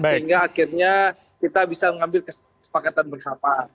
sehingga akhirnya kita bisa mengambil kesepakatan bersama